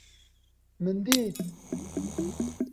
Min dît!